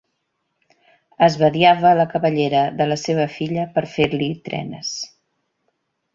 Esbadiava la cabellera de la seva filla per fer-li trenes.